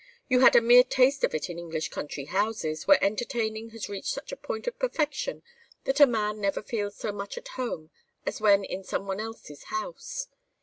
You had a mere taste of it in English country houses, where entertaining has reached such a point of perfection that a man never feels so much at home as when in some one's else house.